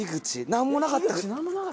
なんもなかった。